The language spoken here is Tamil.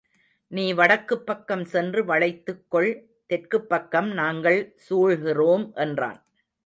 நீ வடக்குப்பக்கம் சென்று வளைத்துக் கொள் தெற்குப்பக்கம் நாங்கள் சூழ்கிறோம் என்றான்.